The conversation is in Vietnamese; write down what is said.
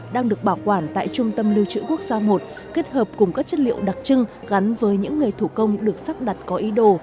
đang được bảo quản tại trung tâm lưu trữ quốc gia i kết hợp cùng các chất liệu đặc trưng gắn với những nghề thủ công được sắp đặt có ý đồ